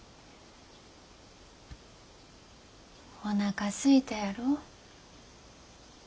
おなかすいたやろ？